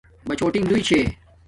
بَچھݸٹیݣ دݸئی چھݺ.